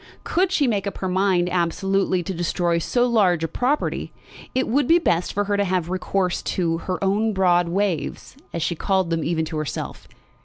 Could she make up her mind absolutely to destroy so large a property, it would be best for her to have recourse to "her own broad waves," as she called them even to herself.